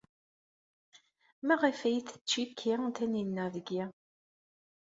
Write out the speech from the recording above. Maɣef ay tettcikki Taninna deg-i?